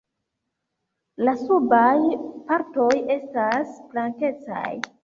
La subaj partoj estas blankecaj.